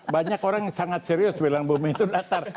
banyak orang yang sangat serius bilang bumi itu datar